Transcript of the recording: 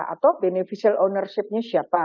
atau beneficial ownership nya siapa